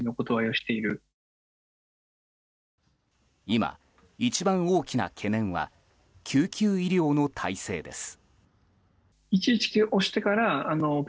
今、一番大きな懸念は救急医療の体制です。